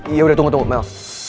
yaudah tunggu tunggu mel